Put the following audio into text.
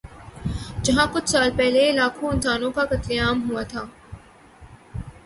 جہاں کچھ سال پہلے لاکھوں انسانوں کا قتل عام ہوا تھا۔